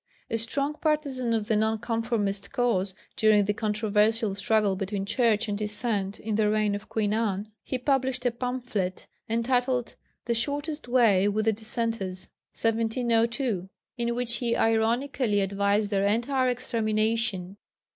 A strong partisan of the Nonconformist cause during the controversial struggle between Church and Dissent in the reign of Queen Anne, he published a pamphlet entitled The Shortest Way with the Dissenters (1702), in which he ironically advised their entire extermination.